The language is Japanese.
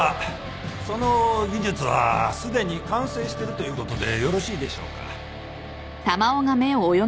その技術はすでに完成してるということでよろしいでしょうか？